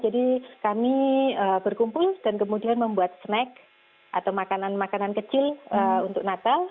jadi kami berkumpul dan kemudian membuat snack atau makanan makanan kecil untuk natal